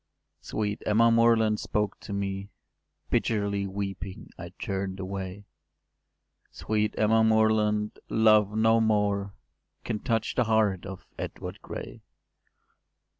” Sweet Emma Moreland spoke to me: Bitterly weeping I turn’d away: “Sweet Emma Moreland, love no more Can touch the heart of Edward Gray.